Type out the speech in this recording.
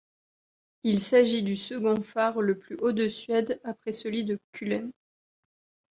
Il s'agit du second phare le plus haut de Suède après celui de Kullen.